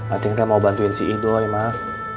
aceh ngga mau bantuin si idoi mak